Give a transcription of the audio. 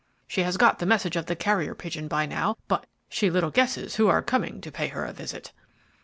She has got the message of the carrier pigeon by now, but she little guesses who are coming to pay her a visit."